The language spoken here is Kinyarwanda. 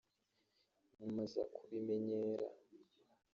nyuma aza kubimenyera